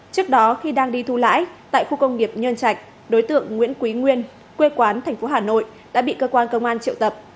trước đó khi đang đi thu lãi tại khu công nghiệp nhân trạch đối tượng nguyễn quý nguyên quê quán tp hà nội đã bị cơ quan công an triệu tập